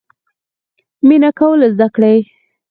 مینه کول زده کړئ